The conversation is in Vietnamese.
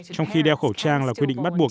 trong khi đeo khẩu trang là quy định bắt buộc